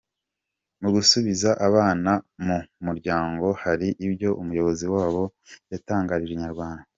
Mu gusubiza abana mu muryango hari ibyo umuyobozi wabo yatangarijeho Inyarwanda.